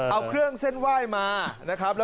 เอาเครื่องเส้นไหว้มา